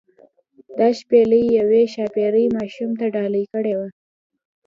دا شپیلۍ یوې ښاپیرۍ ماشوم ته ډالۍ کړې وه.